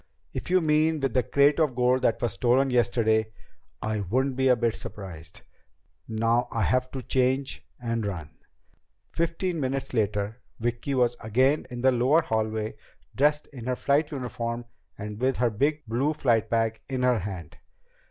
"If you mean with the crate of gold that was stolen yesterday, I wouldn't be a bit surprised. Now I have to change and run." Fifteen minutes later Vicki was again in the lower hallway, dressed in her flight uniform and with her blue flight bag in her hand.